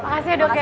makasih ya dok ya